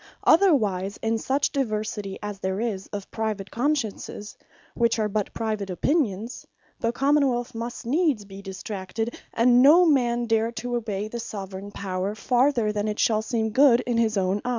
Otherwise in such diversity, as there is of private Consciences, which are but private opinions, the Common wealth must needs be distracted, and no man dare to obey the Soveraign Power, farther than it shall seem good in his own eyes.